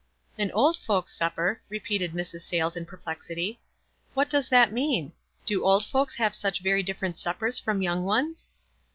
"An old folks' supper !" repeated Mrs. Sayles in perplexity. "What does that mean? Do old folks have such very different suppers from young ones